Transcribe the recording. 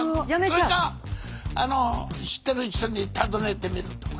それか知ってる人に尋ねてみるとか。